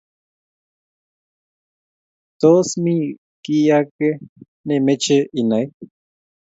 Tos, mi kiy age nemeche inay?